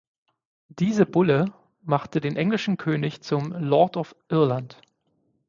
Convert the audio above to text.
Diese Bulle machte den englischen König zum "Lord of Ireland".